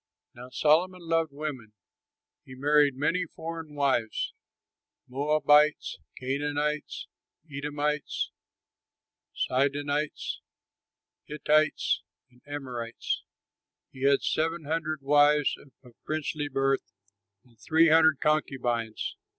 Now Solomon loved women; and he married many foreign wives Moabites, Canaanites, Edomites, Sidonians, Hittites, and Ammonites. He had seven hundred wives of princely birth, and three hundred concubines.